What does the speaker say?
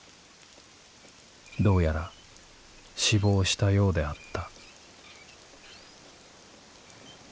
どうやら死亡したようであった」。